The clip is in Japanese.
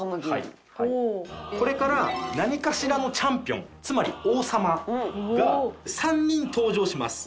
これから何かしらのチャンピオンつまり王様が３人登場します。